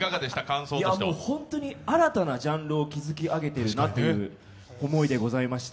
本当に新たなジャンルを築き上げているなという思いでございました。